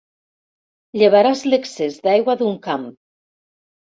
Llevaràs l'excés d'aigua d'un camp.